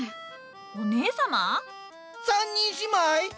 ３人姉妹？